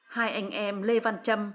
hai anh em lê văn trâm